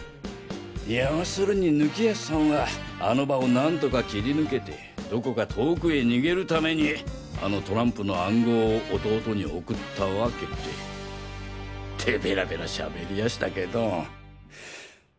要するに貫康さんはあの場を何とか切り抜けてどこか遠くへ逃げる為にあのトランプの暗号を弟に送ったワケでってベラベラ喋りやしたけど。